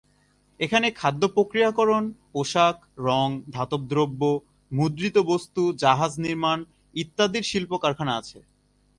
এখানে খাদ্য প্রক্রিয়াকরণ, পোশাক, রঙ, ধাতব দ্রব্য, মুদ্রিত বস্তু, জাহাজ নির্মাণ, ইত্যাদির শিল্প কারখানা আছে।